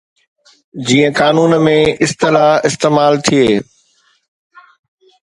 جيئن قانون ۾ اصطلاح استعمال ٿئي.